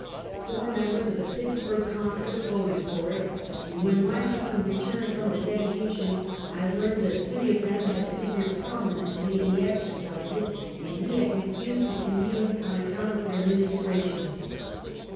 Four members of the Pittsburg Conference voted for it, and when my husband returned from the dedication, i learned that three of them had figured prominently Waters Grow Deep. 83 in the exercises, and he had refused to commune on account of their ministrations.